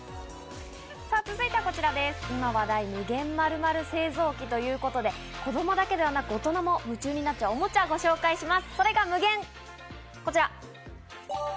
さぁ、続いてはこちらです、今話題、無限○○製造機ということで子供だけではなく大人も夢中になっちゃう、おもちゃをご紹介します。